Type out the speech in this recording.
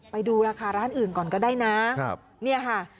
ไปดูราคาร้านอื่นก่อนก็ได้นะเนี่ยค่ะ